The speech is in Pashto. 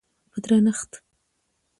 په درنښت